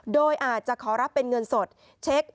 โดยอาจจะขอรับเป็นเงินสดเช็ค